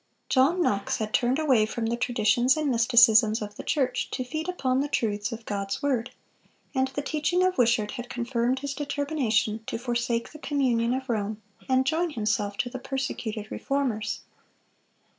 John Knox had turned away from the traditions and mysticisms of the church, to feed upon the truths of God's word; and the teaching of Wishart had confirmed his determination to forsake the communion of Rome, and join himself to the persecuted Reformers.